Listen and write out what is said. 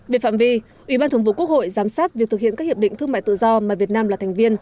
về phạm vi ủy ban thường vụ quốc hội giám sát việc thực hiện các hiệp định thương mại tự do mà việt nam là thành viên